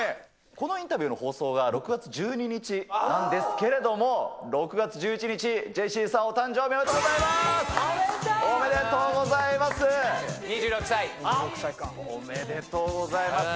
このインタビューの放送が６月１２日なんですけれども、６月１１日、ジェシーさん、お誕生日おめでとうございます！